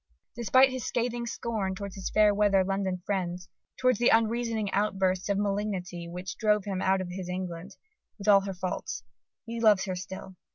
Despite his scathing scorn towards his fair weather London friends, towards the unreasoning outbursts of malignity which drove him out of his England with all her faults, he loves her still.